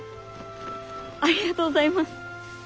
ありがとうございます。